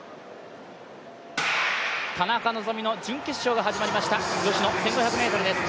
田中希実の準決勝が始まりました女子の１５００ｍです。